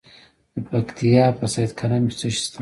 د پکتیا په سید کرم کې څه شی شته؟